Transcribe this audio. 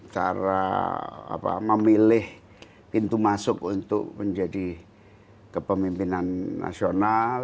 cara memilih pintu masuk untuk menjadi kepemimpinan nasional